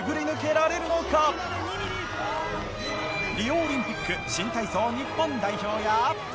リオオリンピック新体操日本代表が。